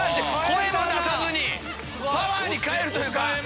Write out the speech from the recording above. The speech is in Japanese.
声も出さずにパワーに変えるというか。